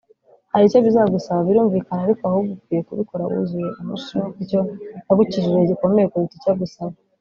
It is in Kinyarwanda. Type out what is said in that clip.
Hari icyo bizagusaba birumvikana ariko ahubwo ukwiye kubikora wuzuye amashimwe kuko icyo yagukijije gikomeye kuruta icyo agusaba